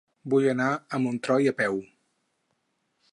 Vull anar a Montroi a peu.